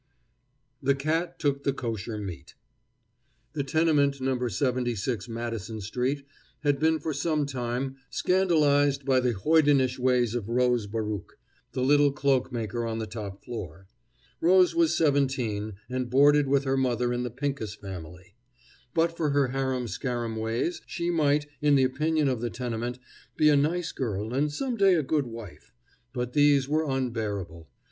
THE CAT TOOK THE KOSHER MEAT The tenement No. 76 Madison street had been for some time scandalized by the hoidenish ways of Rose Baruch, the little cloakmaker on the top floor. Rose was seventeen, and boarded with her mother in the Pincus family. But for her harum scarum ways she might, in the opinion of the tenement, be a nice girl and some day a good wife; but these were unbearable.